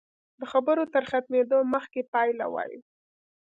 د خبرو تر ختمېدو مخکې پایله وایو.